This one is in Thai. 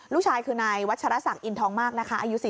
ลูกชายในวัชารสักอินทองมากนะคะอายุ๔๕ปี